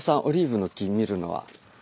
オリーブの木見るのは。